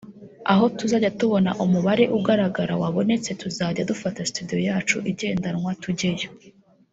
aho tuzajya tubona umubare ugaragara wabonetse tuzajya dufata studio yacu igendanwa tujyeyo”